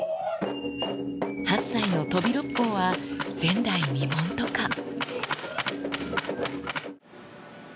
８歳の飛び六方は前代未聞とか。